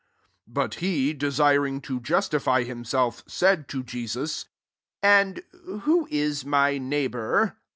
'' 29 But he, desiring to justify himself, said to Jesus, *^And who is my neighbour